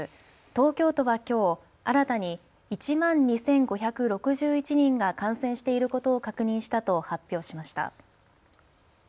東京都はきょう新たに１万２５６１人が感染していることを確認したと発表しました。